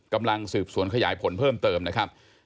กำลังสืบสวนขยายผลเพิ่มเติมนะครับ